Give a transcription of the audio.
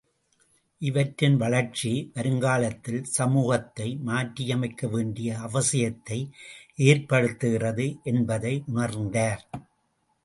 இவற்றின் வளர்ச்சி, வருங்காலத்தில் சமூகத்தை மாற்றியமைக்க வேண்டிய அவசியத்தை ஏற்படுத்துகிறது என்பதை உணர்ந்தார்.